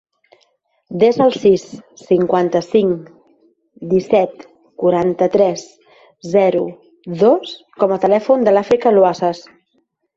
Desa el sis, cinquanta-cinc, disset, quaranta-tres, zero, dos com a telèfon de l'Àfrica Luaces.